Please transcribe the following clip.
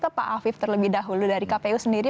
ke pak afif terlebih dahulu dari kpu sendiri